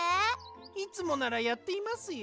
いつもならやっていますよ。